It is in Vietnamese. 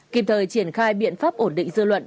kịp thời triển khai biện pháp ổn định dư luận